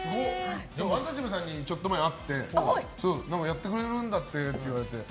アンタッチャブルさんにちょっと前に会ってやってくれるんだってって言われて。